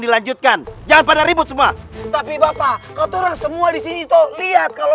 dilanjutkan jangan pada ribut semua tapi bapak kotoran semua disini tuh lihat kalau